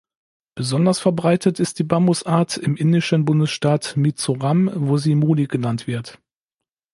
Besonders verbreitet ist die Bambusart im indischen Bundesstaat Mizoram, wo sie Muli genannt wird.